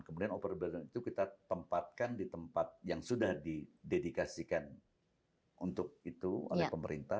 kemudian overburden itu kita tempatkan di tempat yang sudah didedikasikan untuk itu oleh pemerintah